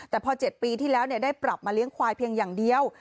แต่พอ๗ปีที่แล้วได้ปรับมาเลี้ยงควายเพียงอย่างเดียว